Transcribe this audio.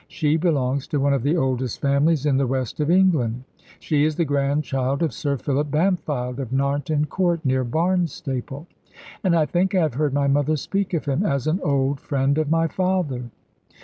She belongs to one of the oldest families in the West of England. She is the grandchild of Sir Philip Bampfylde of Narnton Court, near Barnstaple. And I think I have heard my mother speak of him as an old friend of my father."